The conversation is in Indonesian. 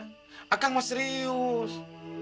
saya mau serius